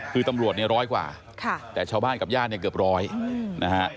คือตำรวจเนี่ยร้อยกว่าแต่ชาวบ้านกับญาติเนี่ยเกือบร้อยนะฮะ